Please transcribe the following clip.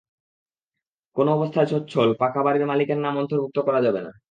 কোনো অবস্থায় সচ্ছল, পাকা বাড়ির মালিকের নাম অন্তর্ভুক্ত করা যাবে না।